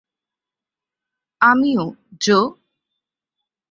আমিও, জো।